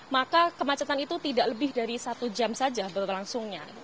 maka kemacetan itu tidak lebih dari satu jam saja berlangsungnya